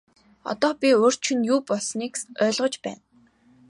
Одоо би урьд шөнө юу болсныг ойлгож байна.